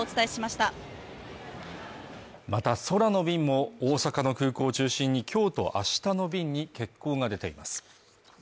また空の便も大阪の空港を中心にきょうとあしたの便に欠航が出ています